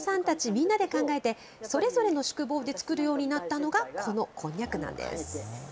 みんなで考えて、それぞれの宿坊で作るようになったのが、このこんにゃくなんです。